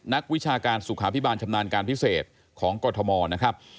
วิชาการสุขาพิบาลชำนาญการพิเศษของกรทมนะครับ